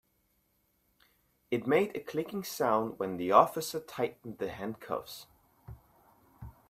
It made a clicking sound when the officer tightened the handcuffs.